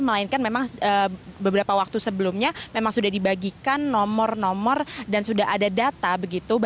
melainkan memang beberapa waktu sebelumnya memang sudah dibagikan nomor nomor dan sudah ada data begitu